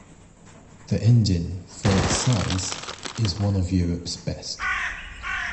The engine, for its size, is one of Europe's best.